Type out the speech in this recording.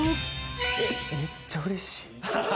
めっちゃうれしい。